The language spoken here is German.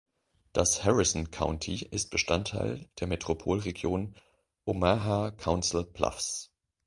Das Harrison County ist Bestandteil der Metropolregion Omaha-Council Bluffs.